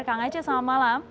kang aceh selamat malam